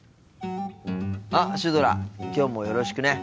あっシュドラきょうもよろしくね。